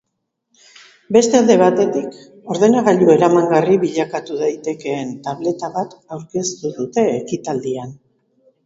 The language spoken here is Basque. Beste alde batetik, ordenagailu eramangarri bilakatu daitekeen tableta bat aurkeztu dute ekitaldian.